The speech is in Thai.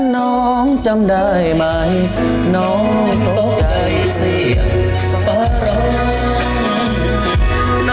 น้องโทรวะวะที่อาจแค่โบนบ่น